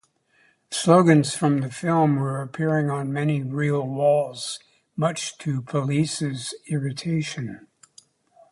Slogans from the film were apperaing on many real walls, much to police's irritation.